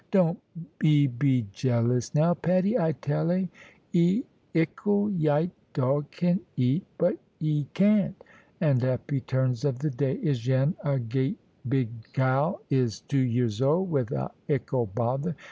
"Don't 'e be jealous, now, Patty, I tell 'a. 'E ickle yite dog can eat, but 'e can't. And happy turns of the day is yen a geat big gal is two years old with a ickle bother.